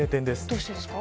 どうしてですか。